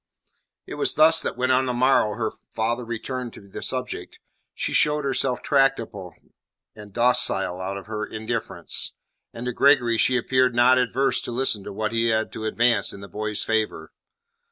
It was thus that when on the morrow her father returned to the subject, she showed herself tractable and docile out of her indifference, and to Gregory she appeared not averse to listen to what he had to advance in the boy's favour.